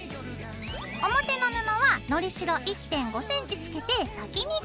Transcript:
表の布はのりしろ１．５ｃｍつけて先にカット。